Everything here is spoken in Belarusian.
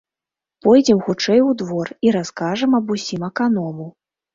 Пойдзем хутчэй у двор і раскажам аб усім аканому.